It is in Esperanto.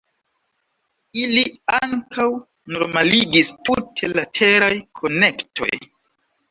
Ili ankaŭ normaligis tute la teraj konektoj.